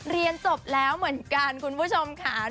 เรียนจบแล้วเหมือนกันคุณผู้ชมค่ะ